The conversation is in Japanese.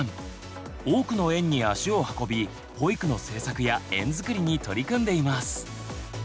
多くの園に足を運び保育の政策や園づくりに取り組んでいます。